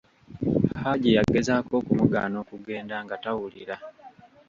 Haji yagezaako okumugaana okugenda nga tamuwulira!